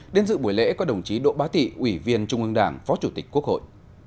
đến dự buổi lễ có đồng chí đỗ bá tị ủy viên trung ương đảng phó chủ tịch quốc hội